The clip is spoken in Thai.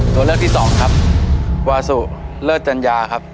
ตัวเลือกที่สองครับวาสุเลิศจัญญาครับ